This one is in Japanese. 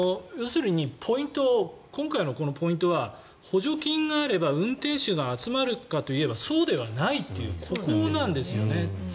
話がそこまで進んでいくとあれなんだけど要するに、今回のポイントは補助金があれば運転手が集まるかといえばそうではないというここなんですよね。